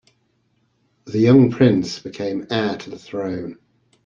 The young prince became heir to the throne.